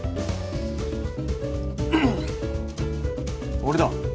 俺だ。